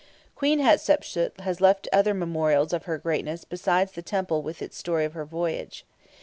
] Queen Hatshepsut has left other memorials of her greatness besides the temple with its story of her voyage.